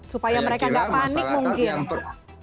supaya mereka nggak panik mungkin